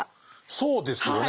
そうですよね。